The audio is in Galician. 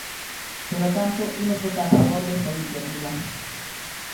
Polo tanto, imos votar a favor desta iniciativa.